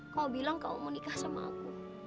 kamu bilang kamu mau nikah sama aku